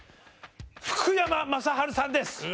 福山雅治さんです！